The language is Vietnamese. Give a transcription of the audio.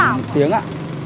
một tiếng ạ